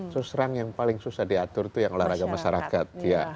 susrang yang paling susah diatur itu yang olahraga masyarakat